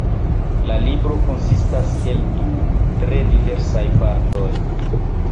La libro konsistas el du tre diversaj partoj.